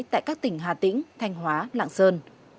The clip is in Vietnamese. hà tĩnh thanh hóa lạng sơn